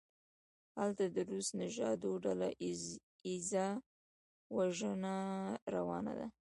هلته د روس نژادو ډله ایزه وژنه روانه ده.